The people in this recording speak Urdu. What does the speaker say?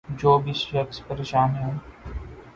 جو بھی شخص پریشان ہے